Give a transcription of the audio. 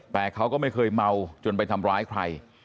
แต่เขาก็ไม่เคยเมาจนไปทำร้ายใคร